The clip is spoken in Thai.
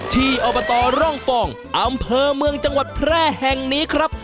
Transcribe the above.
อบตร่องฟองอำเภอเมืองจังหวัดแพร่แห่งนี้ครับ